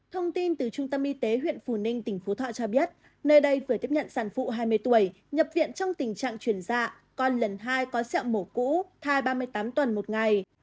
thông tin từ trung tâm y tế huyện phù ninh tỉnh phú thọ cho biết nơi đây vừa tiếp nhận sản phụ hai mươi tuổi nhập viện trong tình trạng chuyển dạ con lần hai có sẹo mổ cũ thai ba mươi tám tuần một ngày